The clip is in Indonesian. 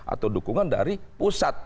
atau dukungan dari pusat